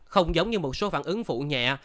không giống như một số phản ứng phụ nhẹ